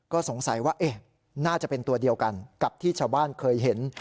ก็สงสัยว่าน่าจะเป็นตัวเดียวกันกับที่ชาวบ้านเคยเห็น